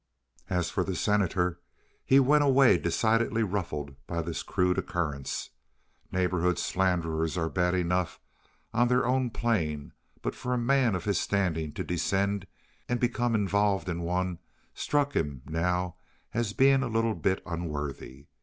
As for the Senator, he went away decidedly ruffled by this crude occurrence. Neighborhood slanders are bad enough on their own plane, but for a man of his standing to descend and become involved in one struck him now as being a little bit unworthy.